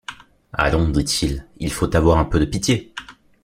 Allons, dit-il, il faut avoir un peu de pitié.